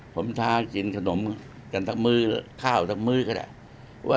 ผมท้ากินขนมกันทั้งมื้อข้าวทั้งมื้อก็ได้